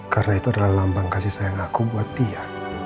karena itu adalah lambang kasih sayang aku buat dia